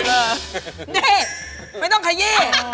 นี่ไม่ต้องขยี้